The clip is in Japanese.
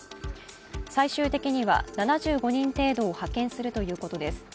最終的には７５人程度を派遣するということです。